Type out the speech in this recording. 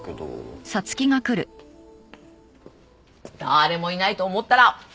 誰もいないと思ったら。